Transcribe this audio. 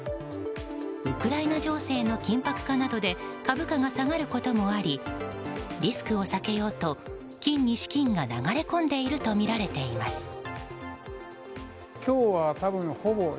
ウクライナ情勢の緊迫化などで株価が下がることもありリスクを避けようと金に資金が流れ込んでいるとみられています。